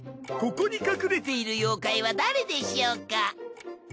ここに隠れている妖怪は誰でしょうか？